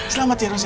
selamat ya rosa ya